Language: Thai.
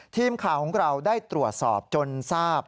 ทีมข่าวของเราได้ตรวจสอบจนทราบ